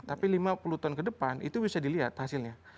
tapi lima puluh tahun ke depan itu bisa dilihat hasilnya